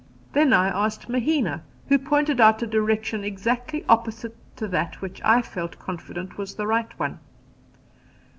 Then I asked Mahina, who pointed out a direction exactly opposite to that which I felt confident was the right one.